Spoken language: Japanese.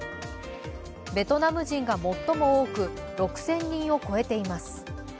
ベトナム人が最も多く６０００人を超えています。